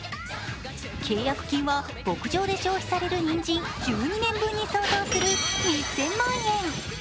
契約金は牧場で消費されるにんじん１２年分に相当する１０００万円。